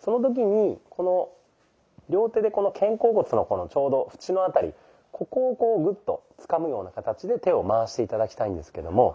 その時に両手でこの肩甲骨のちょうどフチの辺りここをこうグッとつかむような形で手を回して頂きたいんですけども。